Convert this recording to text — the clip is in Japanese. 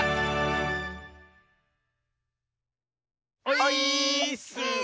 オイーッス！